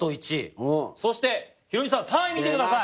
そしてヒロミさん３位見てください。